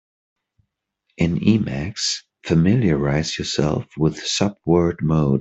In Emacs, familiarize yourself with subword mode.